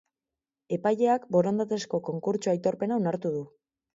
Epaileak borondatezko konkurtso aitorpena onartu du.